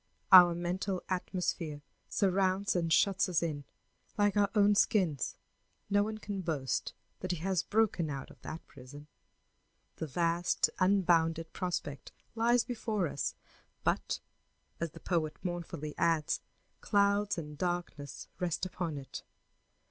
Our mental atmosphere surrounds and shuts us in like our own skins; no one can boast that he has broken out of that prison. The vast, unbounded prospect lies before us, but, as the poet mournfully adds, "clouds and darkness rest upon it."